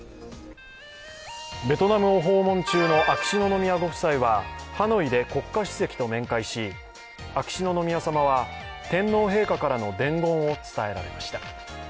ベトナムを訪問中の秋篠宮ご夫妻はハノイで国家主席と面会し秋篠宮さまは、天皇陛下からの伝言を伝えられました。